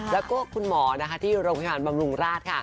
แล้วก็คุณหมอที่โรงวิธีบังลุงราศ